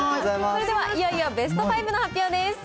それでは、いよいよベスト５の発表です。